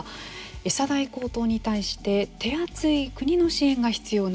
エサ代高騰に対して、手厚い国の支援が必要なんだという声。